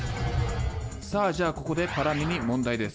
さあじゃあここでパラミに問題です。